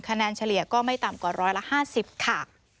เฉลี่ยก็ไม่ต่ำกว่า๑๕๐ค่ะ